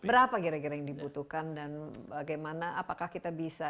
berapa kira kira yang dibutuhkan dan bagaimana apakah kita bisa